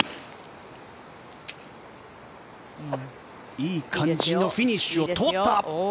いい感じにフィニッシュを取った。